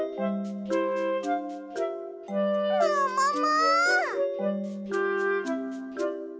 ももも！